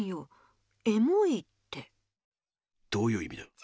どういういみだ？